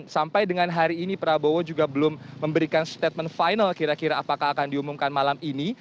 sampai dengan hari ini prabowo juga belum memberikan statement final kira kira apakah akan diumumkan malam ini